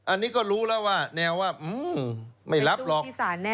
อันนี้ก็รู้แล้วว่าแนวว่าไม่รับหรอก